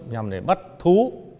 nhằm để bắt thú